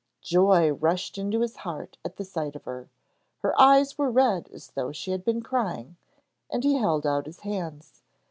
Joy rushed into his heart at the sight of her; her eyes were red as though she had been crying; and he held out his hands.